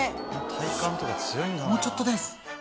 もうちょっとです。